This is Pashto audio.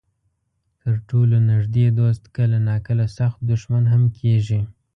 تر ټولو نږدې دوست کله ناکله سخت دښمن هم کېږي.